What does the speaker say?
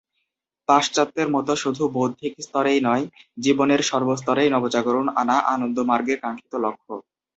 পাশ্চাত্যের মতো শুধু বৌদ্ধিক স্তরেই নয়, জীবনের সর্বস্তরেই নবজাগরণ আনা আনন্দমার্গের কাঙ্ক্ষিত লক্ষ্য।